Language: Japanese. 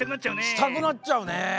したくなっちゃうね。